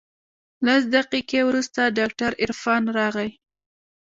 لس دقيقې وروسته ډاکتر عرفان راغى.